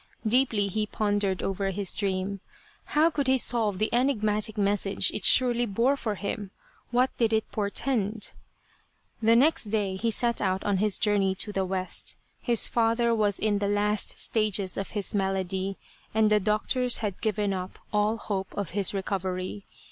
Deeply he pondered over his dream. How could he solve the enigmatic message it surely bore for him ? What did it portend ? The next day he set out on his journey to the west. His father was in the last stages of his malady, and the doctors had given up all hope of his recovery.